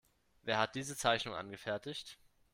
Wer hat diese Zeichnung angefertigt?